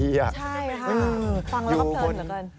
ใช่ค่ะฟังแล้วก็เพลินเหลือเกิน